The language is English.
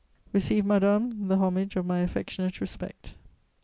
"Receive, madame, the homage of my affectionate respect."